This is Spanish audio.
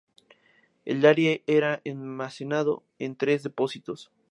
El aire era almacenado en tres depósitos.